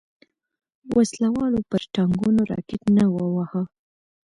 وسله والو پر ټانګونو راکټ نه وواهه.